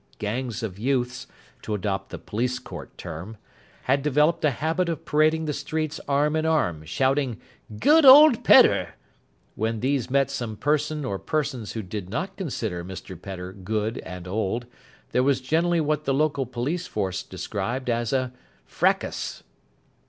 Gangs of youths, to adopt the police court term, had developed a habit of parading the streets arm in arm, shouting "Good old Pedder!" When these met some person or persons who did not consider Mr Pedder good and old, there was generally what the local police force described as a "frakkus".